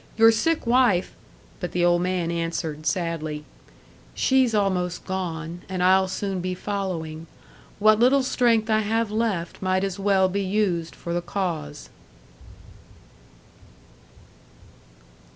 "Your sick wife " But the old man answered, sadly, "She's almost gone, and I'll soon be following. What little strength I have left might as well be used for the cause."